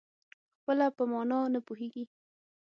خپله په مانا نه پوهېږي.